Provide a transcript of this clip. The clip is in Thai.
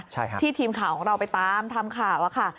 ใช่ค่ะที่ทีมข่าวของเราไปตามทำข่าวอะค่ะ